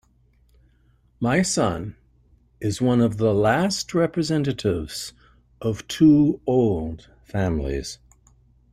My son is one of the last representatives of two old families.